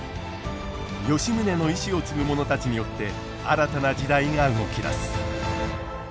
吉宗の遺志を継ぐ者たちによって新たな時代が動き出す。